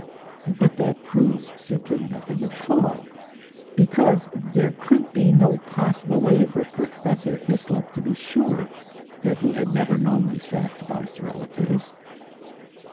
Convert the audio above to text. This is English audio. But that proves simply nothing at all, because there could be no possible way for Professor Hyslop to be sure that he had never known these facts about his relatives.